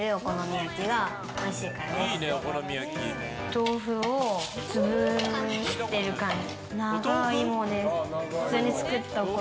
豆腐を潰してる感じ。